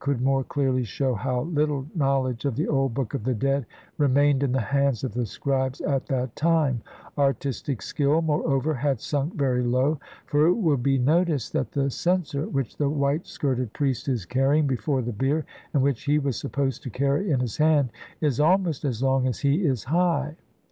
could more clearly shew how little knowledge of the old Book of the Dead remained in the hands of the scribes at that time ; artistic skill, moreover, had sunk very low, for it will be noticed that the censer which the white skirted priest is carry ing before the bier, and which he was supposed to carry in his hand, is almost as long as he is high